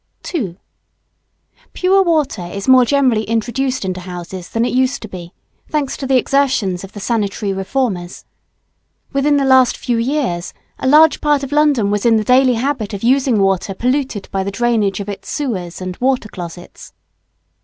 [Sidenote: Pure water.] 2. Pure water is more generally introduced into houses than it used to be, thanks to the exertions of the sanitary reformers. Within the last few years, a large part of London was in the daily habit of using water polluted by the drainage of its sewers and water closets.